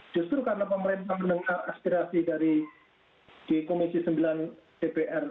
justru karena pemerintah menengah aspirasi dari komisi sembilan tpr